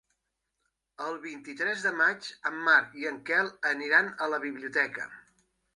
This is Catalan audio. El vint-i-tres de maig en Marc i en Quel aniran a la biblioteca.